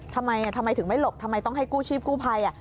ทำไมทำไมถึงไม่หลบทำไมต้องให้กู้ชีพกู้ภัย